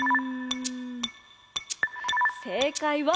せいかいは。